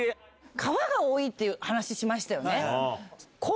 川が多いって話しましたよね。